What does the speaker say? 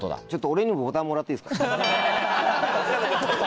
俺にもボタンもらっていいですか？